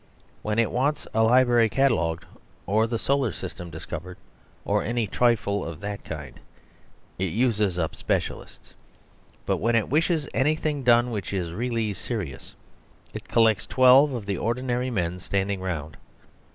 When it wants a library catalogued, or the solar system discovered, or any trifle of that kind, it uses up specialists. But when it wishes anything done which is really serious, it collects twelve of the ordinary men standing round.